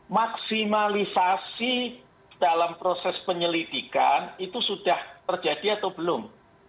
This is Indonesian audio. maksimalisasi dalam proses penyelidikan itu sudah terjadi atau belum